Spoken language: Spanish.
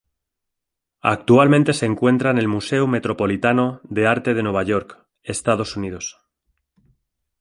Actualmente se encuentra en el Museo Metropolitano de Arte de Nueva York, Estados Unidos.